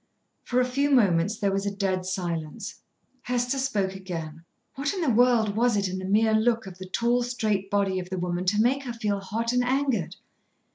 For a few moments there was a dead silence. Hester spoke again. What in the world was it in the mere look of the tall, straight body of the woman to make her feel hot and angered?